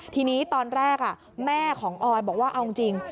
ทีนี้ตอนแรกแม่ของออยบอกว่าเอาจริง